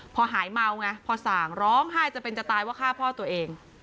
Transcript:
พอหายเมาไงพอส่างร้องไห้จะเป็นจะตายว่าฆ่าพ่อตัวเอง